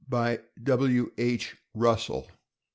BY \Vr. H. RUSSELL.